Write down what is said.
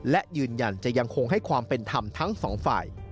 และยืนยันจะยังคงให้ความเป็นธรรมทั้งสองฝ่าย